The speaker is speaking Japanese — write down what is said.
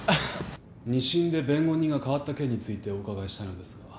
二審で弁護人が代わった件についてお伺いしたいのですが。